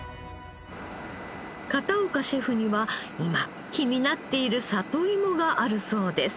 片岡シェフには今気になっている里いもがあるそうです。